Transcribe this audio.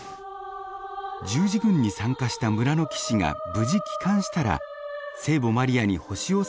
十字軍に参加した村の騎士が無事帰還したら聖母マリアに星をささげると誓いました。